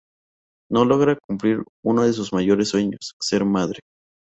No logra cumplir uno de sus mayores sueños: ser madre.